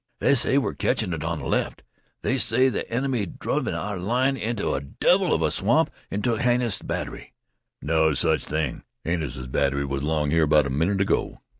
"They say we're catchin' it over on th' left. They say th' enemy driv' our line inteh a devil of a swamp an' took Hannises' batt'ry." "No sech thing. Hannises' batt'ry was 'long here 'bout a minute ago."